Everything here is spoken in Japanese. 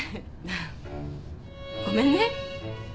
ごめんね。